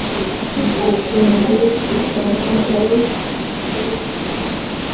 rushangi rushaka ayo kuriha